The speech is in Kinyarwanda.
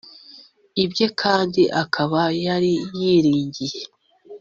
ibye kandi akaba yari yiringiye